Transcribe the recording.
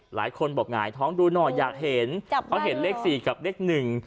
หลายคนบอกหงายท้องดูหน่อยอยากเห็นเขาเห็นเลขสี่กับเลขหนึ่ง